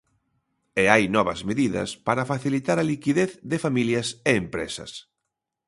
E hai novas medidas para facilitar a liquidez de familias e empresas.